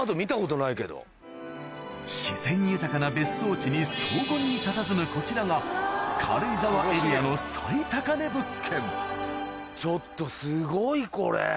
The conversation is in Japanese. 自然豊かな別荘地に荘厳にたたずむこちらが軽井沢エリアのちょっとすごいこれ。